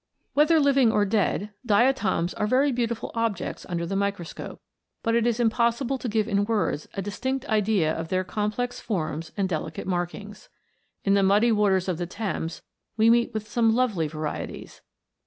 "* Whether living or dead, diatoms are very beau tiful objects under the microscope; but it is im possible to give in words a distinct idea of their complex forms and delicate markings. In the muddy waters of the Thames we meet with some lovely varieties.